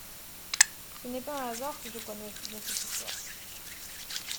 Ce n’est pas un hasard si je connais aussi bien cette histoire.